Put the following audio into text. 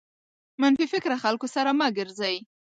منفي فکره خلکو سره مه ګرځٸ.